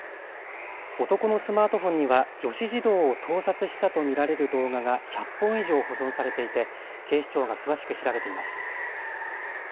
男のスマートフォンには女子児童を盗撮したと見られる動画が１００本以上、保存されていて警視庁が詳しく調べています。